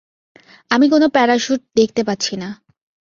আমি কোনো প্যারাশ্যুট দেখতে পাচ্ছি না।